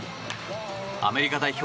アメリカ代表